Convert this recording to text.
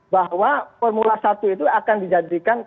bahwa formula satu itu akan dijadikan